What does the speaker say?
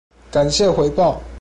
感謝回報